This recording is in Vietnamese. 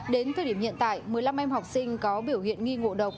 đến thời điểm hiện tại một mươi năm em học sinh có biểu hiện nghi ngộ độc